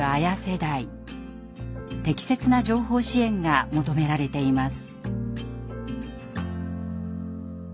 適切な情報支援が求められています。